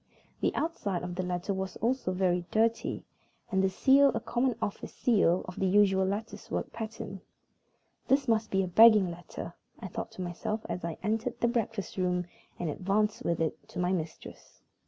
The outside of the letter was also very dirty, and the seal a common office seal of the usual lattice work pattern. "This must be a begging letter," I thought to myself as I entered the breakfast room and advanced with it to my mistress.